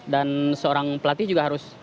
dan seorang pelatih juga harus